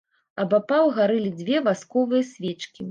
Абапал гарэлі дзве васковыя свечкі.